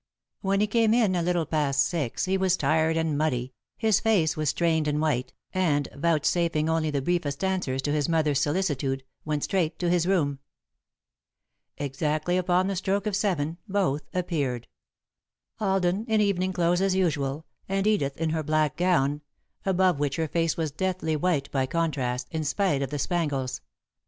When he came in, a little past six, he was tired and muddy, his face was strained and white, and, vouchsafing only the briefest answers to his mother's solicitude, went straight to his room. Exactly upon the stroke of seven, both appeared, Alden in evening clothes as usual, and Edith in her black gown, above which her face was deathly white by contrast, in spite of the spangles.